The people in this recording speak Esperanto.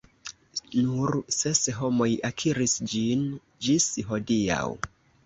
Nur ses homoj akiris ĝin ĝis hodiaŭ.